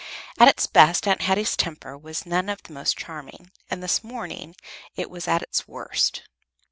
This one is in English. At its best, Aunt Hetty's temper was none of the most charming, and this morning it was at its worst.